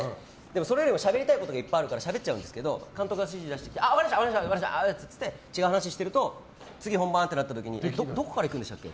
それよりもしゃべりたいことがあるからしゃべっちゃうんですけど監督が指示出してきてあ、分かりましたって違う話をしていると次、本番！ってなった時にどこからいくんですっけ？